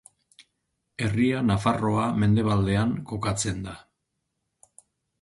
Herria Nafarroa mendebaldean kokatzen da.